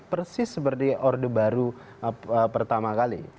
persis seperti orde baru pertama kali